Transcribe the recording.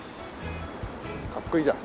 かっこいいじゃん。